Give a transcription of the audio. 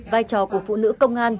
vai trò của phụ nữ công an